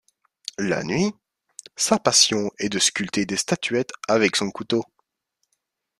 La nuit, sa passion est de sculpter des statuettes avec son couteau.